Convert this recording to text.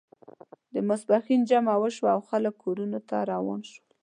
د ماسپښین جمعه وشوه او خلک کورونو ته روان شول.